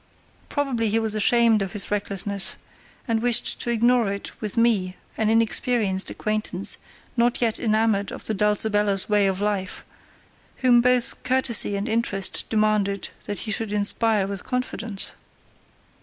Probably he was ashamed of his recklessness and wished to ignore it with me, an inexperienced acquaintance not yet enamoured of the Dulcibella's way of life, whom both courtesy and interest demanded that he should inspire with confidence.